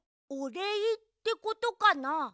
「おれい」ってことかな？